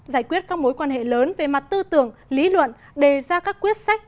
giải quyết các mối quan hệ lớn về mặt tư tưởng lý luận đề ra các quyết sách